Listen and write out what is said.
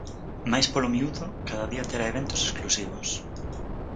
Máis polo miúdo, cada día terá eventos exclusivos.